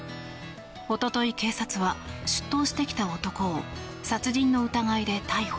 おととい警察は出頭してきた男を殺人の疑いで逮捕。